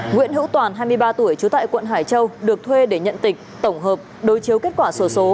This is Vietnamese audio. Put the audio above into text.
nguyễn hữu toàn hai mươi ba tuổi trú tại quận hải châu được thuê để nhận tịch tổng hợp đối chiếu kết quả sổ số